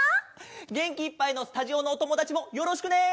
げんきいっぱいのスタジオのおともだちもよろしくね！